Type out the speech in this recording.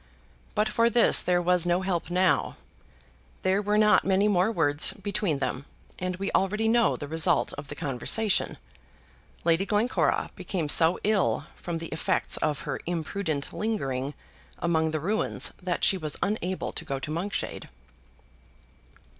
But for this there was no help now. There were not many more words between them, and we already know the result of the conversation. Lady Glencora became so ill from the effects of her imprudent lingering among the ruins that she was unable to go to Monkshade.